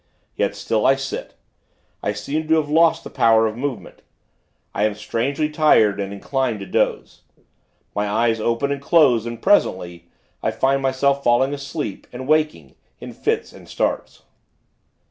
Yet, still I sit. I seem to have lost the power of movement. I am strangely tired, and inclined to doze. My eyes open and close, and, presently, I find myself falling asleep, and waking, in fits and starts.